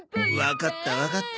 わかったわかった。